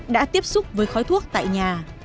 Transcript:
đã tiếp xúc với khói thuốc tại nhà